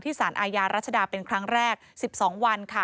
สารอาญารัชดาเป็นครั้งแรก๑๒วันค่ะ